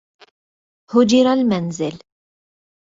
هُجر المنزل.